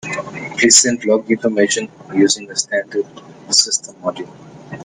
Please send log information using the standard system module.